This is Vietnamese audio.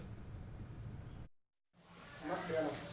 trở về với những người lính năm xưa những người lính năm xưa xoa dịu những vết thương